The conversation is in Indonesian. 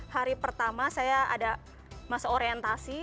hari pertama saya ada masa orientasi